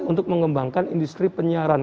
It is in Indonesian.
untuk mengembangkan industri penyiaran